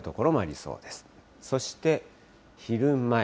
そして昼前。